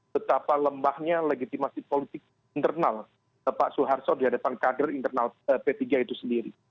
betapa lembahnya legitimasi politik internal pak soeharto di hadapan kader internal p tiga itu sendiri